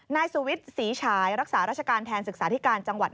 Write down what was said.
นายสุวิตรศรีชายรักษาราชการแทนศึกษาที่การ